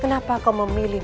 kenapa kau memilih aku